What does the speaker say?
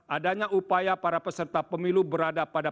adanya upaya para peserta pemilu untuk mencari penyelamat